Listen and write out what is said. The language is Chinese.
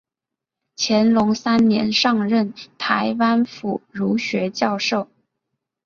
乾隆三年上任台湾府儒学教授。